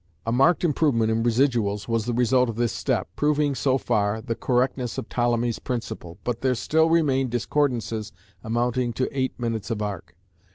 A marked improvement in residuals was the result of this step, proving, so far, the correctness of Ptolemy's principle, but there still remained discordances amounting to eight minutes of arc.